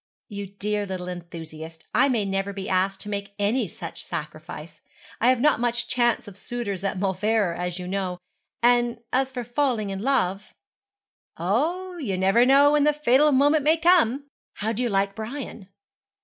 'You dear little enthusiast, I may never be asked to make any such sacrifice. I have not much chance of suitors at Mauleverer, as you know and as for falling in love ' 'Oh, you never know when the fatal moment may come. How do you like Brian?'